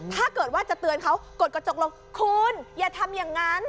ถ้าเกิดว่าจะเตือนเขากดกระจกลงคุณอย่าทำอย่างนั้น